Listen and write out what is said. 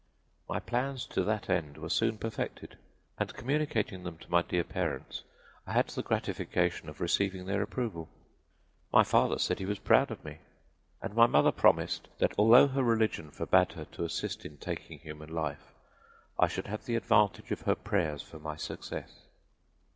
"My plans to that end were soon perfected, and communicating them to my dear parents I had the gratification of receiving their approval. My father said he was proud of me, and my mother promised that although her religion forbade her to assist in taking human life I should have the advantage of her prayers for my success.